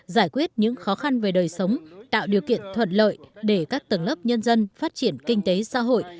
giải quyết những khó khăn về đời sống tạo điều kiện thuận lợi để các tầng lớp nhân dân phát triển kinh tế xã hội